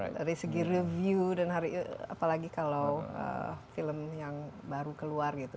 dari segi review dan apalagi kalau film yang baru keluar gitu